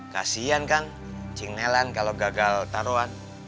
kasian kan cinggelan kalo gagal taruhan